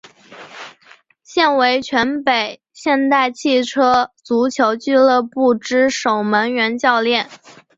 现为全北现代汽车足球俱乐部之守门员教练。